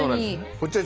こっちはね